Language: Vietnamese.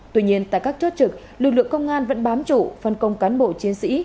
tuy nhiên tại các chốt trực lực lượng công an vẫn bám trụ phân công cán bộ chiến sĩ